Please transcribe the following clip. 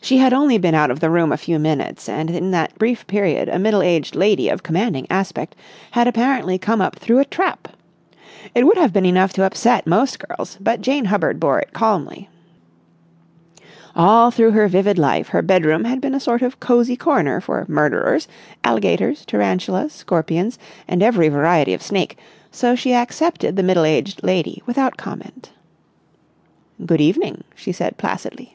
She had only been out of the room a few minutes, and in that brief period a middle aged lady of commanding aspect had apparently come up through a trap. It would have been enough to upset most girls, but Jane Hubbard bore it calmly. All through her vivid life her bedroom had been a sort of cosy corner for murderers, alligators, tarantulas, scorpions, and every variety of snake, so she accepted the middle aged lady without comment. "Good evening," she said placidly.